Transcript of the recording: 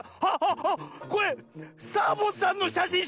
これサボさんのしゃしんしゅう！